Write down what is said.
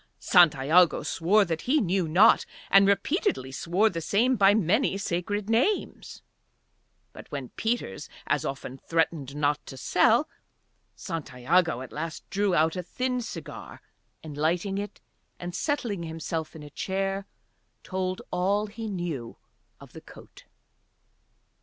Santiago swore that he knew not, and repeatedly swore the same by many sacred names; but when Peters as often threatened not to sell, Santiago at last drew out a thin cigar and, lighting it and settling himself in a chair, told all he knew of the coat.